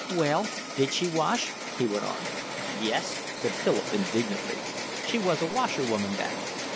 "Well, did she wash?" he went on. "Yes," said Philip indignantly. "She was a washerwoman then?"